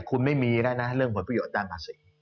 คุณไม่มีแล้วนะเรื่องผลประโยชน์ด้านภาษี